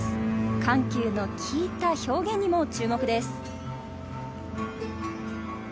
緩急の効いた表現に注目です。